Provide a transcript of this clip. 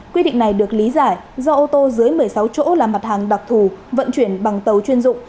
quy định này được lý giải do ô tô dưới một mươi sáu chỗ là mặt hàng đặc thù vận chuyển bằng tàu chuyên dụng